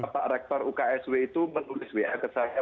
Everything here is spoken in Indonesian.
pak rektor uksw itu menulis wa ke saya